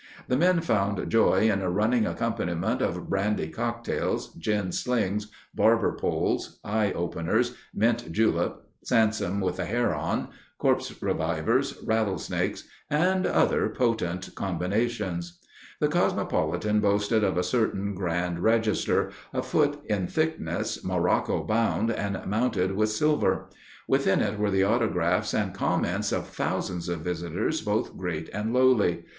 The men found joy in "a running accompaniment of 'brandy cocktails,' 'gin slings,' 'barber's poles,' 'eye openers,' 'mint julep,' 'Samson with the hair on,' 'corpse revivers,' 'rattlesnakes,' and other potent combinations." The Cosmopolitan boasted of a certain Grand Register, a foot in thickness, morocco bound, and mounted with silver. Within it were the autographs and comments of thousands of visitors both great and lowly.